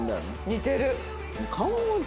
似てる！